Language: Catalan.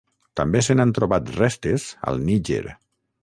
També se n'han trobat restes al Níger.